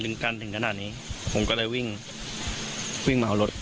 กันถึงขนาดนี้ผมก็เลยวิ่งวิ่งมาเอารถ